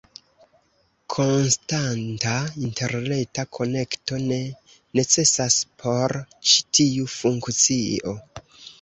Konstanta interreta konekto ne necesas por ĉi tiu funkcio.